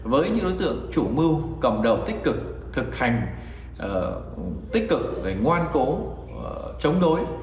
với những đối tượng chủ mưu cầm đầu tích cực thực hành tích cực ngoan cố chống đối